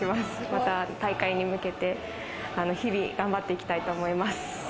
また大会に向けて日々、頑張っていきたいと思います。